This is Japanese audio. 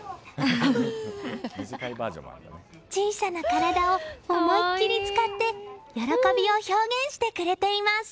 小さな体を思い切り使って喜びを表現してくれています。